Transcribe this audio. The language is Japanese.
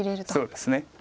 そうですね。